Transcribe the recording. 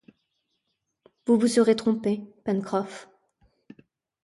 Vous vous serez trompé, Pencroff.